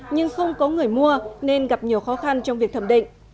nhưng không có người mua nên gặp nhiều khó khăn trong việc thẩm định